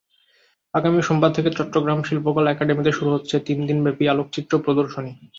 আগামী সোমবার থেকে চট্টগ্রাম শিল্পকলা একাডেমিতে শুরু হচ্ছে তিন দিনব্যাপী আলোকচিত্র প্রদর্শনী।